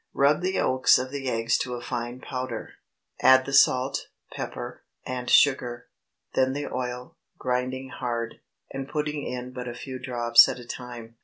Rub the yolks of the eggs to a fine powder, add the salt, pepper, and sugar, then the oil, grinding hard, and putting in but a few drops at a time.